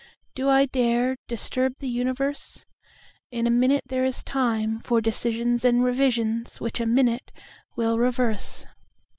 Do I dareDisturb the universe? In a minute there is timeFor decisions and revisions which a minute will reverse.